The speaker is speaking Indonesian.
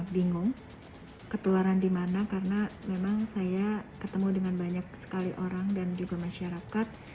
bingung ketularan di mana karena memang saya ketemu dengan banyak sekali orang dan juga masyarakat